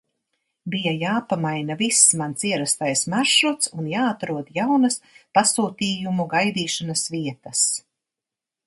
Bija jāpamaina viss mans ierastais maršruts un jāatrod jaunas pasūtījumu gaidīšanas vietas.